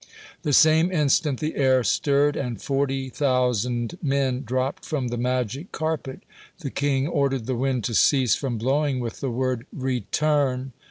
The same instant the air stirred, and forty thousand men dropped from the magic carpet. The king ordered the wind to cease from blowing, with the word: "Return!"